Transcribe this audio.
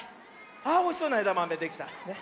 あおいしそうなえだまめできた。